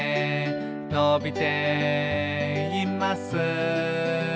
「のびています」